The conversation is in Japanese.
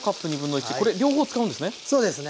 これ両方使うんですね？